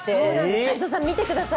斎藤さん見てください。